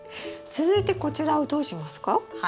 続いてこちらをどうしますか？